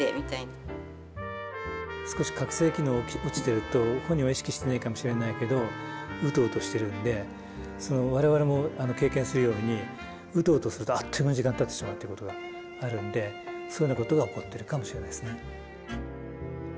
少し覚醒機能が落ちてると本人は意識してないかもしれないけどウトウトしてるんで我々も経験するようにウトウトするとあっという間に時間たってしまうということがあるんでそのようなことが起こってるかもしれないですね。